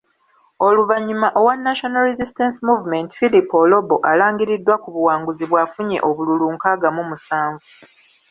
Oluvanyuma owa National Resistance Movement Philip Olobo, alangiriddwa ku buwanguzi bw'afunye obululu nkaaga mu musanvu.